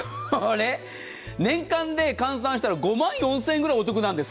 年間で換算したら５万４０００円ぐらいお得なんです。